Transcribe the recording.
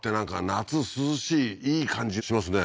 夏涼しいいい感じしますね